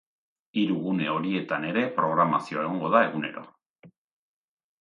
Hiru gune horietan ere programazioa egongo da egunero.